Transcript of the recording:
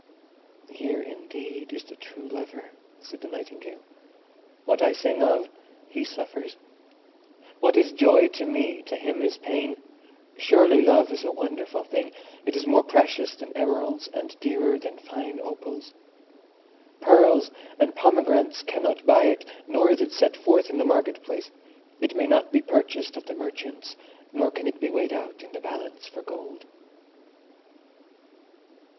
"Here indeed is the true lover," said the Nightingale. "What I sing of, he suffers—what is joy to me, to him is pain. Surely Love is a wonderful thing. It is more precious than emeralds, and dearer than fine opals. Pearls and pomegranates cannot buy it, nor is it set forth in the marketplace. It may not be purchased of the merchants, nor can it be weighed out in the balance for gold."